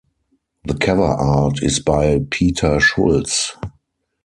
The cover art is by Peter Schultz.